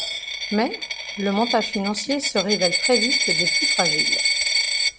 Mais, le montage financier se révèle très vite des plus fragiles.